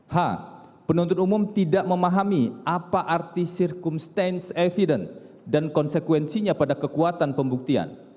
h penuntut umum tidak memahami apa arti circumstance evidence dan konsekuensinya pada kekuatan pembuktian